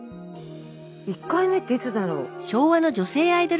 １回目っていつだろう？